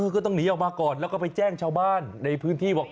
ก็ต้องหนีออกมาก่อนแล้วก็ไปแจ้งชาวบ้านในพื้นที่บอก